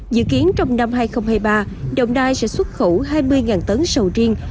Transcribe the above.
dự kiến trong năm hai nghìn hai mươi ba đồng nai sẽ xuất khẩu hai mươi tấn sầu riêng